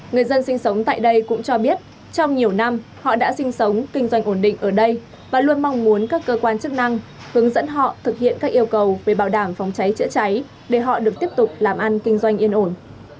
người dân sinh sống tại đây cũng cho biết trong nhiều năm họ đã sinh sống kinh doanh ổn định ở đây và luôn mong muốn các cơ quan chức năng hướng dẫn họ thực hiện các yêu cầu về bảo đảm phòng cháy chữa cháy để họ được tiếp tục làm ăn kinh doanh yên ổn